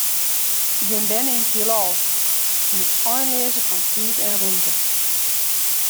Ik bin berne yn it Hielal, yn it einleaze fan tiid en rûmte.